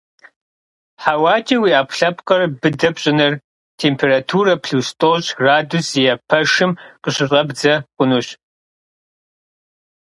ХьэуакӀэ уи Ӏэпкълъэпкъыр быдэ пщӀыныр температурэ плюс тӀощӀ градус зиӀэ пэшым къыщыщӀэбдзэ хъунущ.